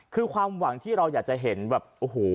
คือความหวังที่เราอยากจะเห็นแบบโอ้โห